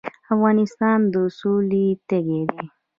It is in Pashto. افغانستان د سولې تږی دی